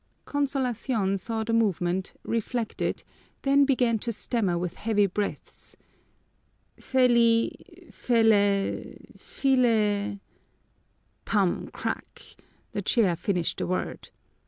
Consolacion saw the movement, reflected, then began to stammer with heavy breaths, "_Feli , Fele , File _" Pum! Crack! The chair finished the word.